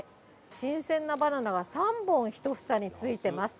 新鮮なバナナが３本、１房に付いてます。